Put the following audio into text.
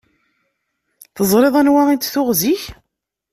Teẓriḍ anwa i t-tuɣ zik?